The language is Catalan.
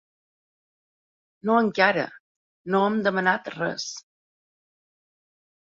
No encara, no hem demanat res.